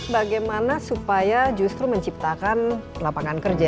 bagaimana supaya justru menciptakan lapangan kerja